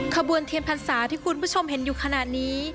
ขบวนเทียนพรรษาที่คุณผู้ชมเห็นอยู่ขนาดนี้